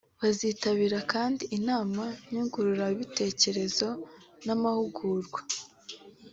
Bazitabira kandi inama nyunguranabitekerezo n’amahugurwa